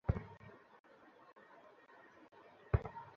বাংলায় সাবটাইটেলটি ভালো লাগলে গুড রেটিং দিতে ভুলবেন না।